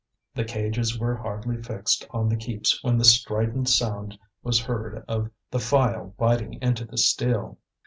The cages were hardly fixed on the keeps when the strident sound was heard of the file biting into the steel.